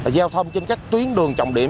giao thông trên các tuyến đường trọng điểm